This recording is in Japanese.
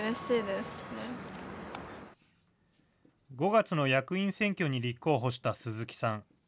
５月の役員選挙に立候補した鈴木さん。